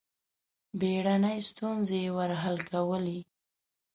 بېړنۍ ستونزې یې ور حل کولې.